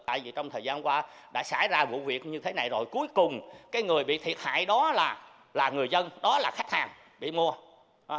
tại vì trong thời gian qua đã xảy ra vụ việc như thế này rồi cuối cùng cái người bị thiệt hại đó là người dân đó là khách hàng bị mua